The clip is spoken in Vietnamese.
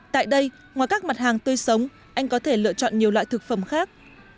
tại đây ngoài các mặt hàng tươi sống anh có thể lựa chọn nhiều loại thực phẩm khác